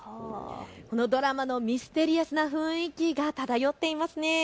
このドラマのミステリアスな雰囲気が漂っていますね。